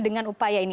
dengan upaya ini